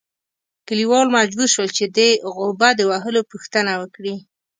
کلیوال مجبور شول چې د غوبه د وهلو پوښتنه وکړي.